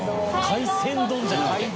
海鮮丼じゃなくて？